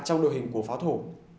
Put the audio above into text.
trong đội hình của pháo thủ